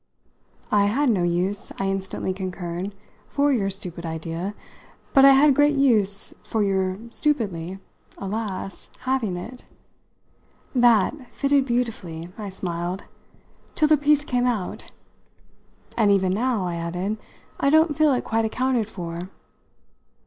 "I had no use," I instantly concurred, "for your stupid idea, but I had great use for your stupidly, alas! having it. That fitted beautifully," I smiled, "till the piece came out. And even now," I added, "I don't feel it quite accounted for."